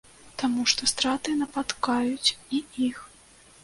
Таму што страты напаткаюць і іх.